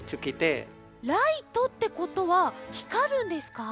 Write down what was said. ライトってことはひかるんですか？